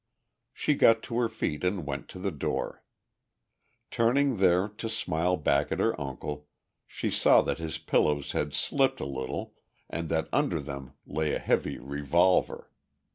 She got to her feet and went to the door. Turning there, to smile back at her uncle, she saw that his pillows had slipped a little and that under them lay a heavy revolver.